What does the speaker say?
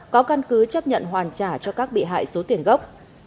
có căn cứ chấp nhận hoàn trả cho các bị hại số tiền gốc